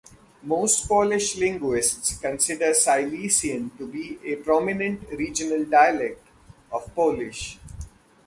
Most Polish linguists consider Silesian to be a prominent regional dialect of Polish.